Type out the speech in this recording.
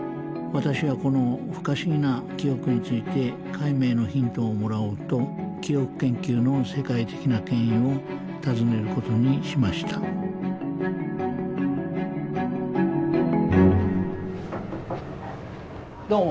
私はこの不可思議な記憶について解明のヒントをもらおうと記憶研究の世界的な権威を訪ねる事にしましたどうも。